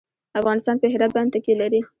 افغانستان په هرات باندې تکیه لري.